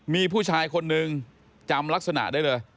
มีผู้ชายคนนึงจำลักษณะได้เลย